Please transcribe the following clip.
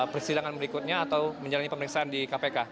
persidangan berikutnya atau menjalani pemeriksaan di kpk